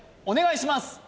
お願いします！